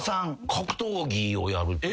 格闘技をやるって。